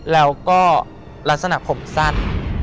แล้วก็ลักษณะผมสั้น